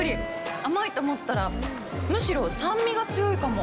甘いと思ったら、むしろ、酸味が強いかも。